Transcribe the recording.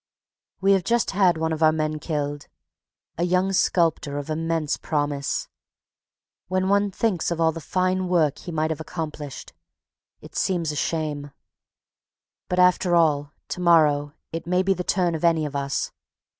_ We have just had one of our men killed, a young sculptor of immense promise. When one thinks of all the fine work he might have accomplished, it seems a shame. But, after all, to morrow it may be the turn of any of us.